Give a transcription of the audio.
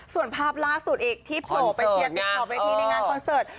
ส่วนภาพล่าสุดอีกที่โผล่ไปเชียร์ติดขอบเวทีในงานคอนเสิร์ต